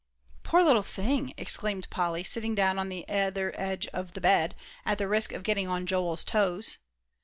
"Poor little thing!" exclaimed Polly, sitting down on the other edge of the bed, at the risk of getting on Joel's toes.